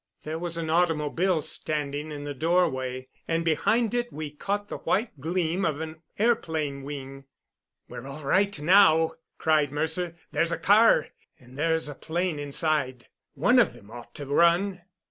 There was an automobile standing in the doorway, and behind it we caught the white gleam of an airplane wing. "We're all right now," cried Mercer. "There's a car, and there's a plane inside. One of them ought to run."